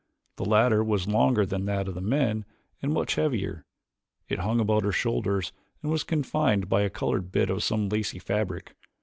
The latter was longer than that of the men and much heavier. It hung about her shoulders and was confined by a colored bit of some lacy fabric.